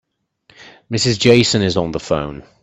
Mrs. Jason is on the phone.